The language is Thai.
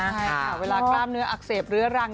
ใช่ค่ะเวลากล้ามเนื้ออักเสบเรื้อรัง